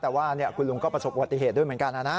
แต่ว่าคุณลุงก็ประสบวติเหตุด้วยเหมือนกันนะ